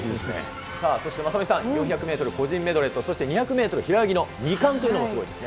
そして雅美さん、４００メートル個人メドレーとそして２００メートル平泳ぎの２冠というのもすごいですね。